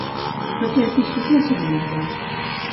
Per què es discuteixen ells dos?